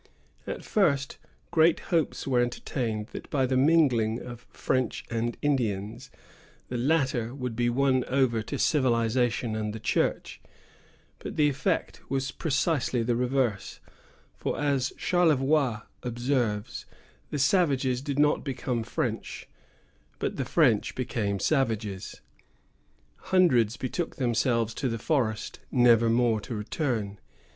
At first, great hopes were entertained that, by the mingling of French and Indians, the latter would be won over to civilization and the church; but the effect was precisely the reverse; for, as Charlevoix observes, the savages did not become French, but the French became savages. Hundreds betook themselves to the forest, never more to return.